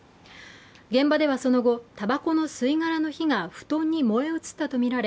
現場ではその後、たばこの吸い殻の火が布団に燃え移ったとみられ